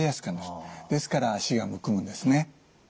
ですから脚がむくむんですね。